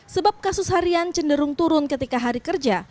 sebab kasus harian cenderung turun ketika hari kerja